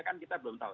kan kita belum tahu